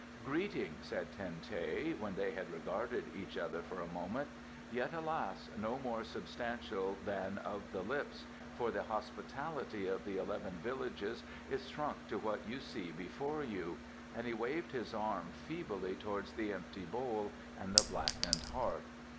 "Greeting," said Ten teh, when they had regarded each other for a moment; "yet, alas, no more substantial than of the lips, for the hospitality of the eleven villages is shrunk to what you see before you," and he waved his arm feebly towards the empty bowl and the blackened hearth.